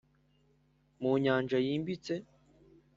mu nyanja yimbitse